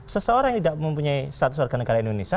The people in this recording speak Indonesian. seseorang yang tidak mempunyai status warga negara indonesia